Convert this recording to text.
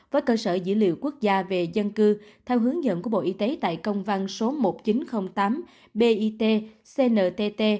với cơ sở dữ liệu quốc gia về dân cư theo hướng dẫn của bộ y tế tại công văn số một nghìn chín trăm linh tám bit cntt